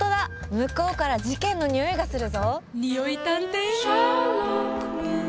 むこうからじけんのにおいがするぞ！